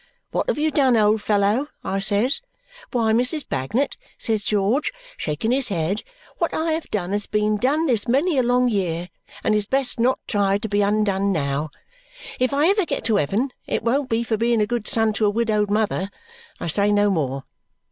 'What have you done, old fellow?' I says. 'Why, Mrs. Bagnet,' says George, shaking his head, 'what I have done has been done this many a long year, and is best not tried to be undone now. If I ever get to heaven it won't be for being a good son to a widowed mother; I say no more.'